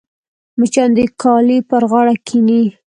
مچان د کالي پر غاړه کښېني